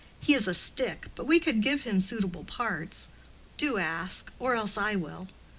He is a stick, but we could give him suitable parts. Do ask, or else I will."